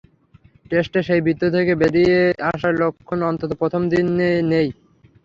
টেস্টে সেই বৃত্ত থেকে বেরিয়ে আসার লক্ষণ অন্তত প্রথম দিনে নেই।